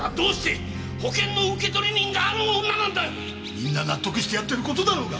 みんな納得してやってる事だろうが！